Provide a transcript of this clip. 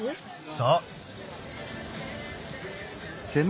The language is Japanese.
そう。